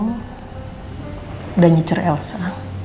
udah nyicer elsa